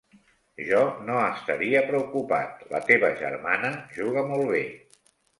Jo no estaria preocupat, la teva germana juga molt bé.